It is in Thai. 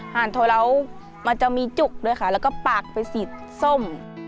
ห่านโทราวมันจะมีจุกด้วยค่ะแล้วก็ปากไปสีส้ม